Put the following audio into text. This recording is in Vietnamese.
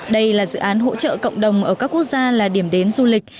đây là dự án hỗ trợ cộng đồng ở các quốc gia là điểm đến du lịch